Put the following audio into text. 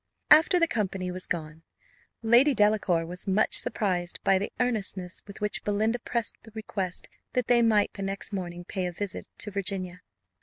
After the company was gone, Lady Delacour was much surprised by the earnestness with which Belinda pressed the request that they might the next morning pay a visit to Virginia.